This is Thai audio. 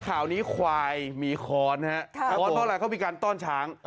ข่าวนี้ควายมีค้อนครับค้อนเท่าไรก็มีการต้นช้าง